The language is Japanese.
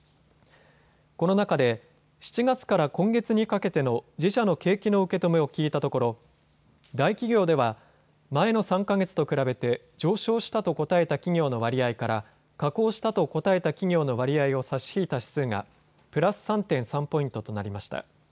この中で７月から今月にかけての自社の景気の受け止めを聞いたところ大企業では前の３か月と比べて上昇したと答えた企業の割合から下降したと答えた企業の割合を差し引いた指数がプラス３．３ポイントとなりました。